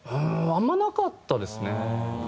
あんまなかったですね。